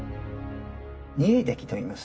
沸出来といいます。